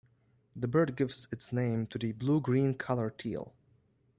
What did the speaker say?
The bird gives its name to the blue-green colour teal.